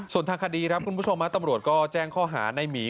ส่วนทางคดีครับคุณผู้ชมตำรวจก็แจ้งข้อหาในหมี